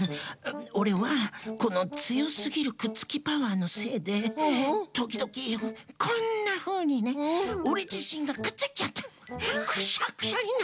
オレはこのつよすぎるくっつきパワーのせいでときどきこんなふうにねオレじしんがくっついちゃってくしゃくしゃになっちまう。